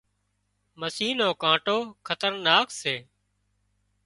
مسِي نو ڪانٽو خطرناڪ سي